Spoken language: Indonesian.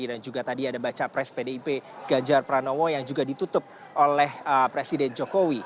dan juga tadi ada baca pres pdip gajar pranowo yang juga ditutup oleh presiden jokowi